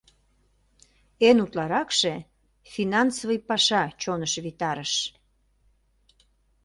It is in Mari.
Эн утларакше финансовый паша чоныш витарыш.